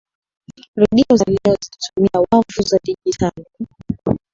redio za leo zinatumia wavu za dijitali